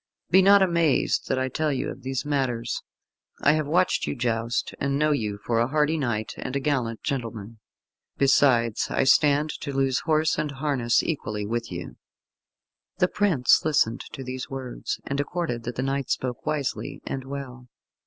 Be not amazed that I tell you of these matters. I have watched you joust, and know you for a hardy knight and a gallant gentleman. Besides I stand to lose horse and harness equally with you." [Footnote 2: There is here some omission in the manuscript.] The prince listened to these words, and accorded that the knight spoke wisely and well.